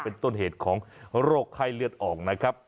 เป็นต้นเหตุของโรคไข้เลือดออกนะครับ